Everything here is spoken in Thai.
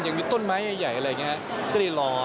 ยังมีต้นไม้ใหญ่ก็เลยรอครับ